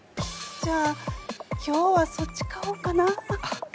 じゃあ今日はそっち買おうかな。